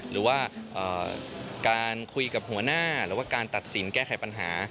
หรือว่าการคุยกับหัวหน้าหรือว่าการตัดสินแก้ไขปัญหา